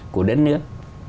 của đất nước